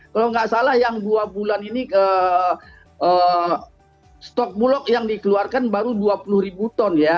kalau nggak salah yang dua bulan ini stok bulog yang dikeluarkan baru dua puluh ribu ton ya